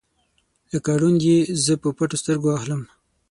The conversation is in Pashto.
لکه ړوند یې زه په پټو سترګو اخلم